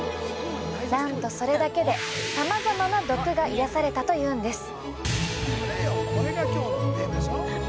なんとそれだけでさまざまな毒が癒やされたというんです。